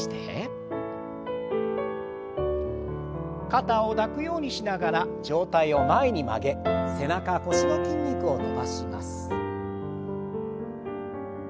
肩を抱くようにしながら上体を前に曲げ背中腰の筋肉を伸ばします。